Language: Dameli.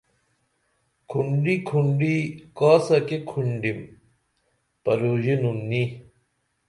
کُھنڈی کُھنڈی کاسہ کی کُھنڈِم پروژینُن نی